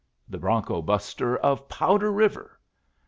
'The Bronco buster of Powder River!'